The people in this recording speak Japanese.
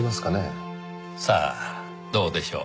さあどうでしょう。